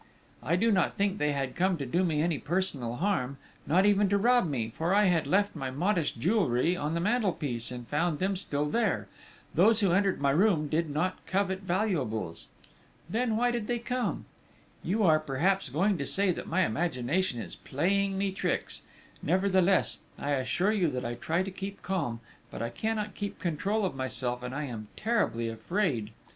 _ _I do not think they had come to do me any personal harm, not even to rob me, for I had left my modest jewellery on the mantelpiece and found them still there: those who entered my room did not covet valuables._ Then, why did they come? _You are perhaps going to say that my imagination is playing me tricks!... Nevertheless, I assure you that I try to keep calm, but I cannot keep control of myself, and I am terribly afraid!